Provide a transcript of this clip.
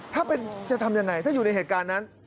ถ้าเป็นจะทำยังไงถ้าอยู่ในเหตุการณ์นั้น